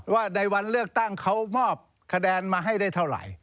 ว่าในวันเลือกตั้งเขามอบคะแนนมาให้ได้เท่าไหร่